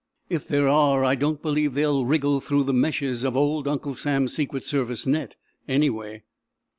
If there are, I don't believe they'll wriggle through the meshes of old Uncle Sam's Secret Service net, anyway."